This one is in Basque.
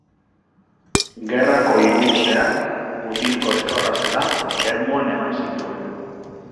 Gerrako hiru urteak, mutil koxkorra zela, Ermuan eman zituen.